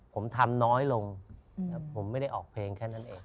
ผมทำน้อยลงผมไม่ได้ออกเพลงแค่นั้นเอง